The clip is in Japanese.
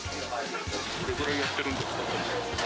どれくらいやってるんですか？